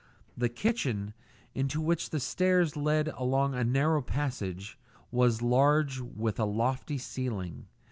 The kitchen, into which the stairs led along a narrow passage, was large, with a lofty ceiling.